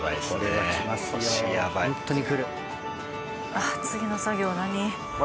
ああ次の作業何？